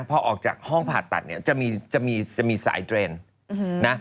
พอออกจากห้องผ่าตัดเนี่ยจะมีสายเดรนะ